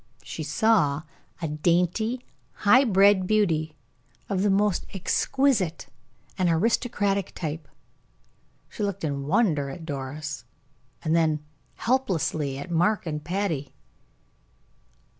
She saw a dainty, high bred beauty, of the most exquisite and aristocratic type. She looked in wonder at Doris, then helplessly at Mark and Patty.